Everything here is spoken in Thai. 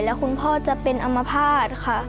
และคุณพ่อจะเป็นอำมะพาดค่ะ